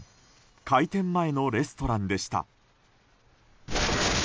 開店前のレストランでした。